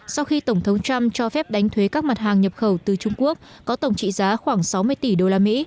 sau khi tổng thống trump cho phép đánh thuế các mặt hàng nhập khẩu từ trung quốc có tổng trị giá khoảng sáu mươi tỷ đô la mỹ